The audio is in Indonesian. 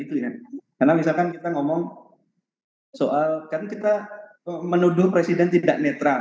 karena misalkan kita menuduh presiden tidak netran